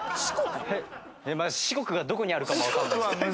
まず四国がどこにあるかもわからないです。